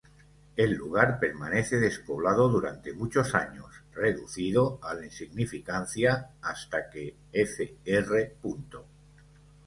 El lugar permanece despoblado durante muchos años, reducido á la insignificancia hasta que Fr.